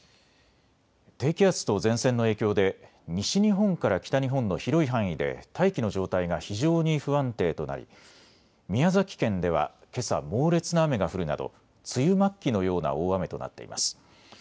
低気圧と前線の影響で西日本から北日本の広い範囲で大気の状態が非常に不安定となり宮崎県ではけさ、猛烈な雨が降るなど梅雨末期のような大雨となっています。